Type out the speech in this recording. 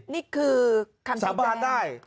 นี่คือคำชี้แจงสาบานได้